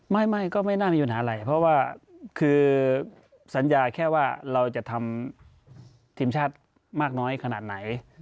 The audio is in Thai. ไม่ก็ไม่น่ามีปัญหาอะไรเพราะว่าคือสัญญาแค่ว่าเราจะทำทีมชาติมากน้อยขนาดไหน